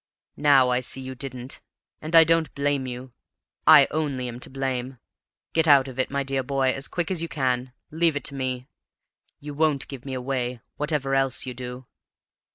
Now I see you didn't, and I don't blame you. I only am to blame. Get out of it, my dear boy, as quick as you can; leave it to me. You won't give me away, whatever else you do!"